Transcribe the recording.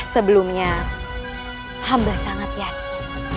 sebelumnya hamba sangat yakin